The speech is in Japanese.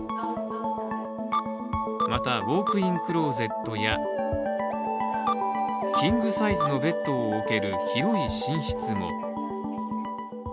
また、ウォークインクローゼットやキングサイズのベッドを置ける広い寝室も。